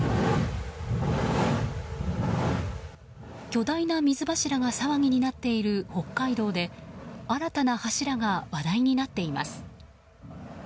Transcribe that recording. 巨大な水柱が騒ぎになっている北海道で新たな柱が話題になっています。